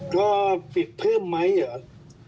ก็ปิดเพิ่มไหมเหรอ